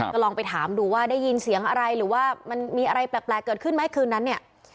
ก็ลองไปถามดูว่าได้ยินเสียงอะไรหรือว่ามันมีอะไรแปลกเกิดขึ้นไหมคืนนั้นเนี่ย